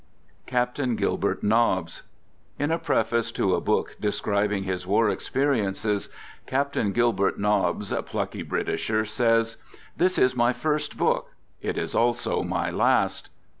CAPTAIN GILBERT NOBBS In a preface to a book describing his war experi ences, Captain Gilbert Nobbs, plucky Britisher, says: " This is my first book. It is also my last."